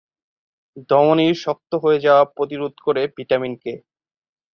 ধমনীর শক্ত হয়ে যাওয়া প্রতিরোধ করে ভিটামিন কে।